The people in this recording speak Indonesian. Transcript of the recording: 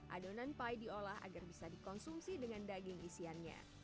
adonan pie diolah agar bisa dikonsumsi dengan daging isiannya